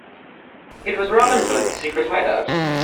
It was Robin Hood's secret hideout.